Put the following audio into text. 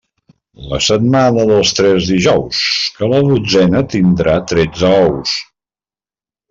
La setmana dels tres dijous, que la dotzena tindrà tretze ous.